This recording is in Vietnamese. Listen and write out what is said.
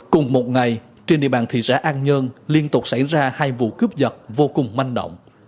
cùng một ngày trên địa bàn thị xã an nhơn liên tục xảy ra hai vụ cướp giật vô cùng manh động